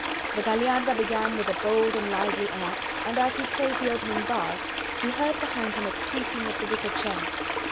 The Gagliarda began with a bold and lively air, and as he played the opening bars, he heard behind him a creaking of the wicker chair.